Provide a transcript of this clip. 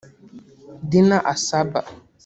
Dina Asaba